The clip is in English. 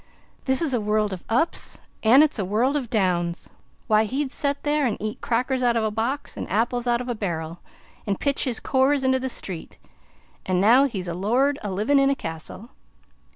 This is a world of ups an' it's a world of downs. Why, he'd set there, an' eat crackers out of a box, an' apples out of a barrel, an' pitch his cores into the street; an' now he's a lord a livin' in a castle.